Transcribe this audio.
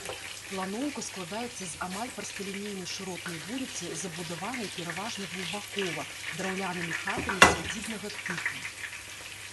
Планоўка складаецца з амаль прасталінейнай шыротнай вуліцы, забудаванай пераважна двухбакова, драўлянымі хатамі сядзібнага тыпу.